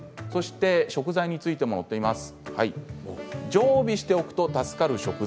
食材についても載っています。